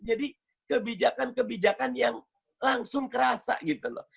jadi kebijakan kebijakan yang langsung kerasa gitu loh